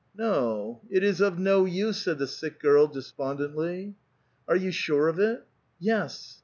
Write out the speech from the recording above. " No ; it is of no use," said the sick girl, despondently. " Arc you sure of it? " "Yes."